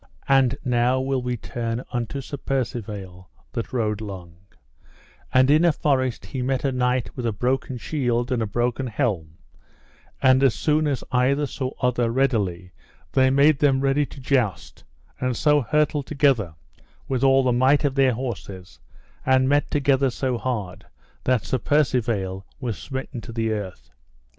And now will we turn unto Sir Percivale that rode long; and in a forest he met a knight with a broken shield and a broken helm; and as soon as either saw other readily they made them ready to joust, and so hurtled together with all the might of their horses, and met together so hard, that Sir Percivale was smitten to the earth.